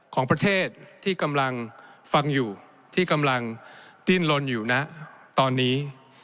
ของประเทศที่กำลังฟังอยู่ที่กำลังดิ้นลนอยู่นะตอนนี้